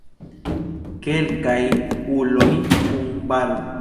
Kelkaj uloj kun barbo.